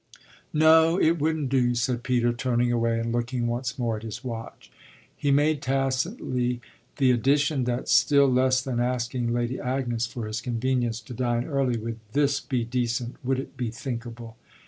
"No, it wouldn't do," said Peter, turning away and looking once more at his watch. He made tacitly the addition that still less than asking Lady Agnes for his convenience to dine early would this be decent, would it be thinkable.